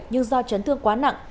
nhưng do chấn thương quá nặng